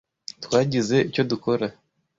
Twagize icyo dukora?